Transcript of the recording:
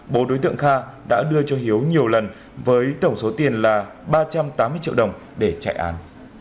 bố đối tượng kha đã đưa cho hiếu nhiều lần với tổng số tiền là ba trăm tám mươi triệu đồng để chạy án